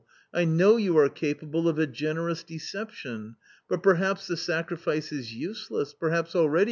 I know you are capable of a generous deception .... but perhaps the sacrifice is useless, perhaps already